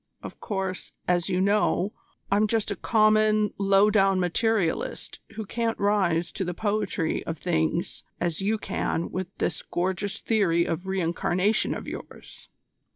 Of course, as you know, I'm just a common, low down materialist who can't rise to the poetry of things as you can with this gorgeous theory of re incarnation of yours.